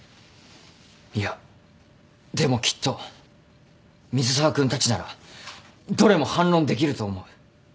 いやでもきっと水沢君たちならどれも反論できると思う。